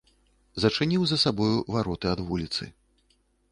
Зачыніў за сабою вароты ад вуліцы.